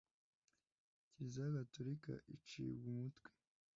kiliziya gatorika icibwa umutwe